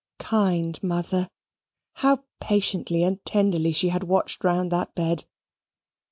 Kind mother! how patiently and tenderly she had watched round that bed!